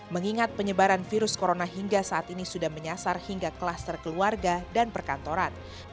mengingat penyebaran virus corona hingga saat ini sudah menyasar hingga klaster keluarga dan perkantoran